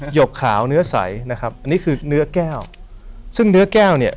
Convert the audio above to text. ยกขาวเนื้อใสนะครับอันนี้คือเนื้อแก้วซึ่งเนื้อแก้วเนี่ย